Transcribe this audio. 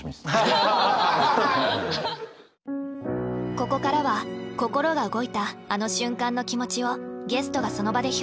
ここからは心が動いたあの瞬間の気持ちをゲストがその場で表現。